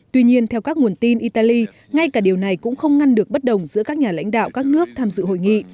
tuy nhiên theo các nguồn tin italy ngay cả điều này cũng không ngăn được bất đồng giữa các nhà lãnh đạo các nước tham dự hội nghị